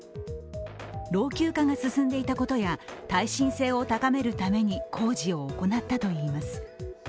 老朽化が進んでいたことや耐震性を高めるために工事を行ったといいます。